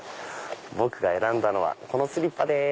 僕が選んだのはこのスリッパ。